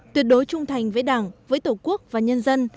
tuyệt đối trung thành với đảng với tổ quốc và nhân dân